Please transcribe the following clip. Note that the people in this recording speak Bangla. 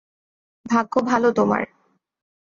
ভাগ্য ভালো তোমার।